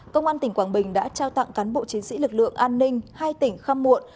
công an tỉnh quảng bình đã trao tặng cán bộ chiến sĩ lực lượng an ninh hai tỉnh khăm muộn